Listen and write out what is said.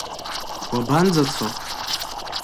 Уабанӡацо?